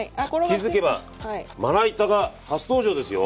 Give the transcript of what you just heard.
気付けばまな板が初登場ですよ。